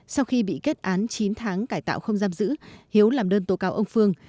sau khi bị kết án chín tháng cải tạo không giam giữ hiếu làm đơn tố cáo ông phương